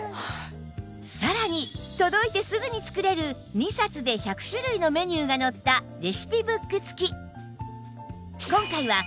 さらに届いてすぐに作れる２冊で１００種類のメニューが載ったレシピブック付き